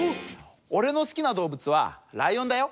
おれのすきなどうぶつはライオンだよ。